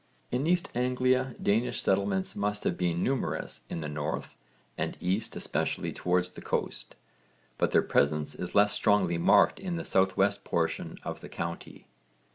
In East Anglia Danish settlements must have been numerous in the north and east especially towards the coast, but their presence is less strongly marked in the S.W. portion of the county.